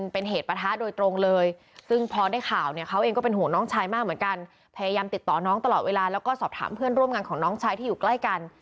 พยายามติดต่อน้องตลอดเวลาแล้วก็สอบถามเพื่อนร่วมงานของน้องชายที่อยู่ใกล้กัน